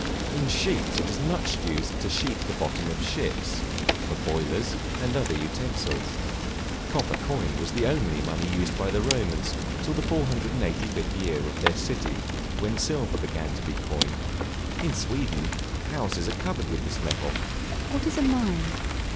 In sheets it is much used to sheathe the bottoms of ships, for boilers, and other utensils. Copper coin was the only money used by the Romans till the 485th year of their city, when silver began to be coined. In Sweden, houses are covered with this metal. What is a Mine?